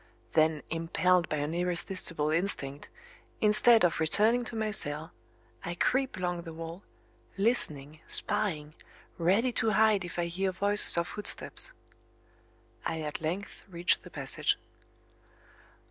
Then, impelled by an irresistible instinct, instead of returning to my cell, I creep along the wall, listening, spying, ready to hide if I hear voices or footsteps. I at length reach the passage.